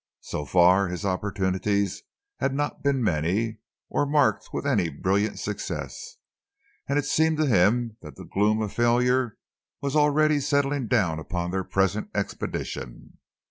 So far his opportunities had not been many, or marked with any brilliant success, and it seemed to him that the gloom of failure was already settling down upon their present expedition.